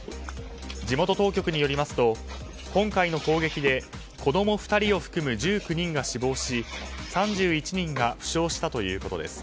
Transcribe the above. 地元当局によりますと今回の攻撃で子供２人を含む１９人が死亡し３１人が負傷したということです。